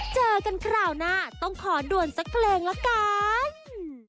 เจอกันคราวหน้าต้องขอด่วนสักเพลงละกัน